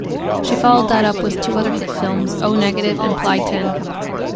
She followed that up with two other hit films, O-Negative and Plai Tien.